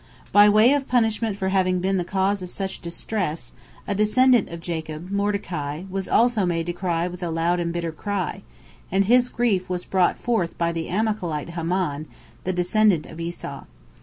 By way of punishment for having been the cause of such distress, a descendant of Jacob, Mordecai, was also made to cry with a loud and bitter cry, and his grief was brought forth by the Amalekite Haman, the descendant of Esau.